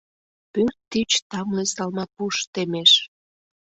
Пӧрт тич тамле салма пуш темеш.